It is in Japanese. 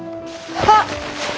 あっ！